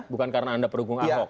bukan karena anda pendukung ahok